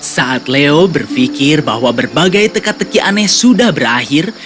saat leo berpikir bahwa berbagai teka teki aneh sudah berakhir